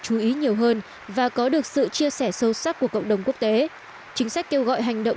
chú ý nhiều hơn và có được sự chia sẻ sâu sắc của cộng đồng quốc tế chính sách kêu gọi hành động